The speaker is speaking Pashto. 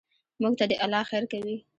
موږ ته دې الله خیر کوي.